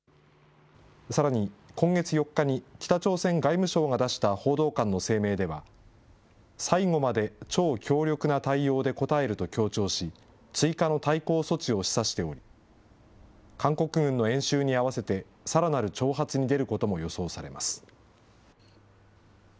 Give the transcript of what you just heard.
さらに、今月４日に北朝鮮外務省が出した報道官の声明では、最後まで超強力な対応で応えると強調し、追加の対抗措置を示唆しており、韓国軍の演習に合わせて、さらなる挑発に出ることも予想されます。